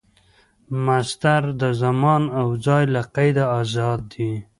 مصدر د زمان او ځای له قیده آزاد يي.